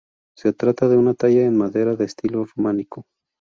Se trata de una talla en madera de estilo románico.